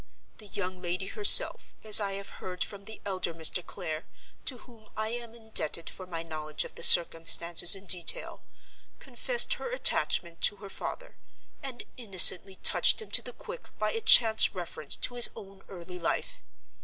The young lady herself (as I have heard from the elder Mr. Clare, to whom I am indebted for my knowledge of the circumstances in detail) confessed her attachment to her father, and innocently touched him to the quick by a chance reference to his own early life.